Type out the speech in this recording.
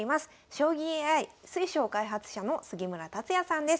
将棋ＡＩ水匠開発者の杉村達也さんです。